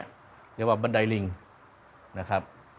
เรียกว่าบันไดลิงนะครับ